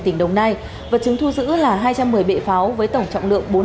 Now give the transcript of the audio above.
tỉnh đồng nai vật chứng thu giữ là hai trăm một mươi bệ pháo với tổng trọng lượng